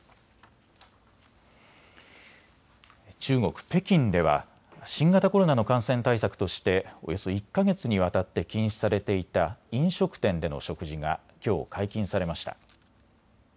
中国・北京では新型コロナの感染対策としておよそ１か月にわたって禁止されていた飲食店での食事がきょう解禁されました。